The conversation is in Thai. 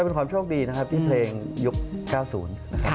เป็นความโชคดีนะครับที่เพลงยุค๙๐นะครับ